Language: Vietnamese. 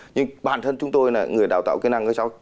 nhưng bản thân chúng tôi là người đào tạo kỹ năng các cháu